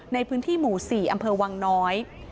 ในพื้นที่หมู่๔อำเภอวังน้อย